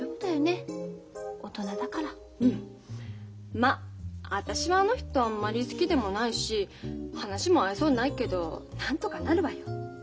ま私はあの人あんまり好きでもないし話も合いそうにないけどなんとかなるわよ。